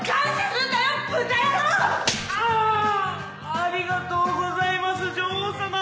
ありがとうございます女王様。